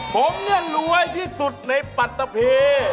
ผมรวยที่สุดในปัจตะเพ